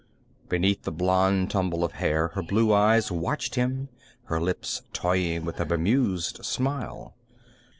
Beneath the blond tumble of hair, her blue eyes watched him, her lips toying with a bemused smile.